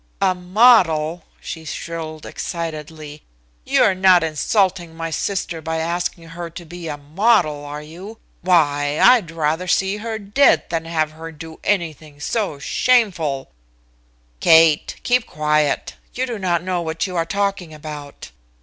"A model!" she shrilled excitedly. "You're not insulting my sister by asking her to be a model, are you? Why, I'd rather see her dead than have her do anything so shameful " "Kate, keep quiet. You do not know what you are talking about."